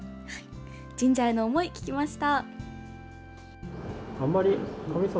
神社への思い聞きました。